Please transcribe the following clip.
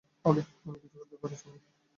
আমি কিছু করতে পারি, সোনা?